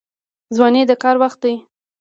ځواني د کار وخت دی